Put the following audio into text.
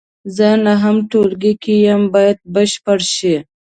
زه نهم ټولګي کې یم باید بشپړ شي.